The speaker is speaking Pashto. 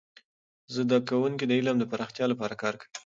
زده کوونکي د علم د پراختیا لپاره کار کوي.